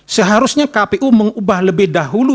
seharusnya kpu mengubah lebih dahulu